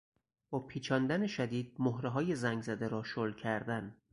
با پیچاندن شدید مهرههای زنگزده را شل کردن